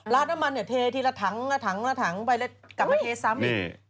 น้ำมันเนี่ยเททีละถังละถังละถังไปแล้วกลับมาเทซ้ำอีก